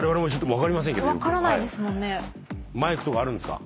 マイクとかあるんですか？